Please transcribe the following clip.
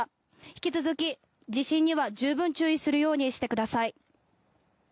引き続き地震には十分注意するようにしてください。